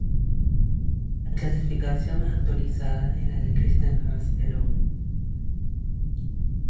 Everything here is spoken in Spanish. La clasificación más actualizada es la de Christenhusz et al.